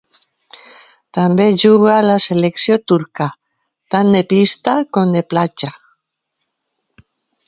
També juga a la selecció turca, tant de pista com de platja.